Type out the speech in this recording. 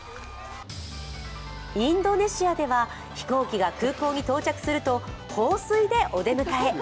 インドネシアでは飛行機が空港に到着すると放水でお出迎え。